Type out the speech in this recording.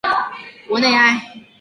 博内埃。